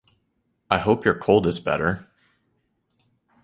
I hope your cold is better.